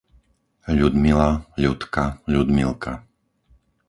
Ľudmila, Ľudka, Ľudmilka